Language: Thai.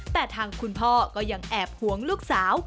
แต่ทางคุณพ่อก็ยังแอบหวงลูกสาว